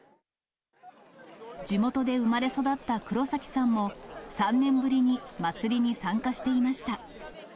地元で生まれ育った黒崎さんも、３年ぶりに祭りに参加していました。